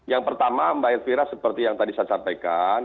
yang pertama mbak elvira seperti yang tadi saya sampaikan